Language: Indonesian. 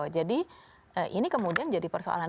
jadi ini kemudian jadi persoalan